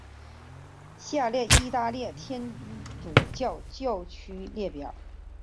下列意大利天主教教区列表。